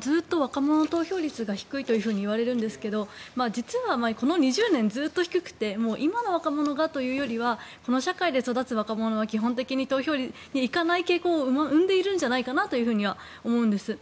ずっと若者の投票率が低いといわれるんですが、実はあまりこの２０年ずっと低くて今の若者がというよりはこの社会で育つ若者が基本的に投票に行かない傾向を生んでいるんじゃないかなとは思うんです。